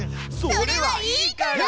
それはいいから！